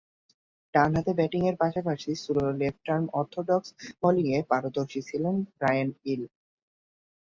ডানহাতে ব্যাটিংয়ের পাশাপাশি স্লো লেফট-আর্ম অর্থোডক্স বোলিংয়ে পারদর্শী ছিলেন ব্রায়ান ইল।